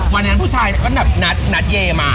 วันนั้นผู้ชายก็แนะสมบัติใหม่มา